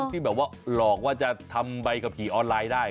แต่พวกที่หลอกว่าจะทำใบขับขี่ออนไลน์ได้